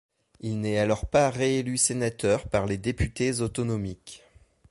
Il n'est alors pas réélu sénateur par les députés autonomiques.